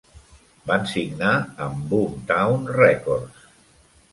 Van signar amb Boomtown Rècords.